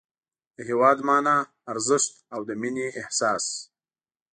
د هېواد مانا، ارزښت او د مینې احساس